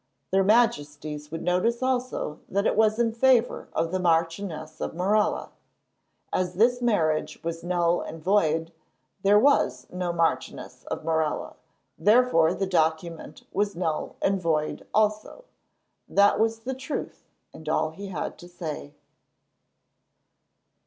Their Majesties would notice also that it was in favour of the Marchioness of Morella. As this marriage was null and void, there was no Marchioness of Morella. Therefore, the document was null and void also. That was the truth, and all he had to say.